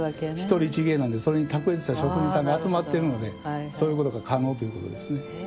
一人一芸なのでそれに卓越した職人さんが集まってるのでそういうことが可能ということですね。